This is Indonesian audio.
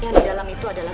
yang di dalam itu adalah